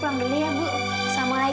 farid kita sampai sama